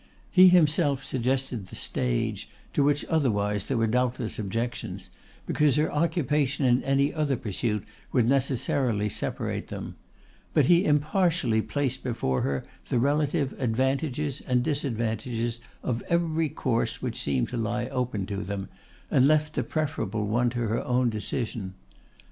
He himself suggested the stage, to which otherwise there were doubtless objections, because her occupation in any other pursuit would necessarily separate them; but he impartially placed before her the relative advantages and disadvantages of every course which seemed to lie open to them, and left the preferable one to her own decision.